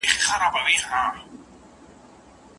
زر په اور کي هم نه خرابېږي.